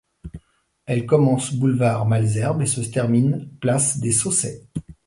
Elle commence boulevard Malesherbes et se termine place des Saussaies.